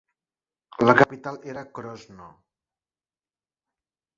La capital era Krosno.